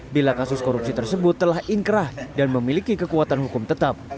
bila kasus korupsi tersebut telah ingkrah dan memiliki kekuatan hukum tetap